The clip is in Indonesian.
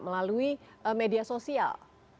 melalui media sosial